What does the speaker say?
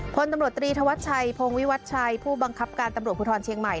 พลตำรวจตรีธวัชชัยพงวิวัชชัยผู้บังคับการตำรวจภูทรเชียงใหม่